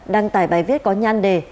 đăng tải bài viết có nhan đề